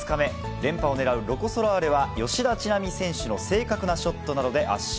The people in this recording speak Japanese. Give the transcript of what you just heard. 連覇を狙うロコ・ソラーレは、吉田知那美選手の正確なショットなどで圧勝。